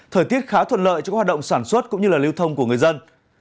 thời tiết khá thuận lợi cho các hoạt động sản xuất cũng như lưu thông của người dân